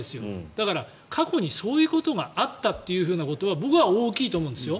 だから、過去にそういうことがあったということは僕は大きいと思うんですよ。